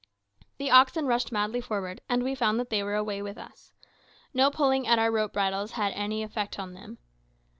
The oxen rushed madly forward, and we found that they were away with us. No pulling at our rope bridles had any effect on them.